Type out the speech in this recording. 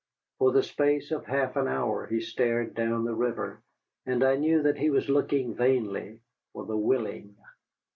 For the space of half an hour he stared down the river, and I knew that he was looking vainly for the Willing.